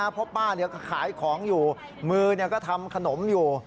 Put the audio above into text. เพราะป้าขายของอยู่มือก็ทำขนมอยู่